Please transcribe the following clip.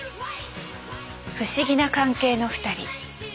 不思議な関係の２人。